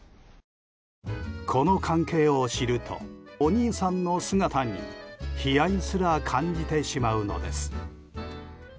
この関係を知るとお兄さんの姿に悲哀すら感じてしまうのです。